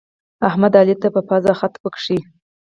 احمد، علي ته په پزه خط وکيښ.